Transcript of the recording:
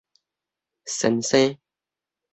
先生